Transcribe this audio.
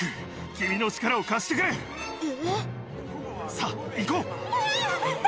さぁ行こう！